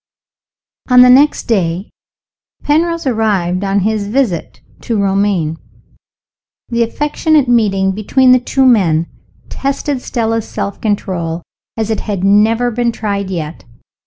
ON the next day Penrose arrived on his visit to Romayne. The affectionate meeting between the two men tested Stella's self control as it had never been tried yet.